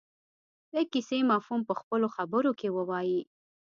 د کیسې مفهوم په خپلو خبرو کې ووايي.